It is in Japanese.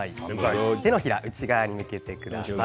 手のひらを内側に向けてください。